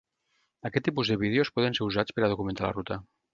Aquest tipus de vídeos poden ser usats per a documentar la ruta.